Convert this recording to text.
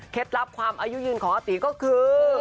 ลับความอายุยืนของอาตีก็คือ